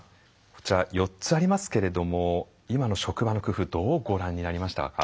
こちら４つありますけれども今の職場の工夫どうご覧になりましたか？